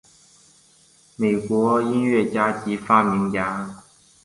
美国音乐家及发明家。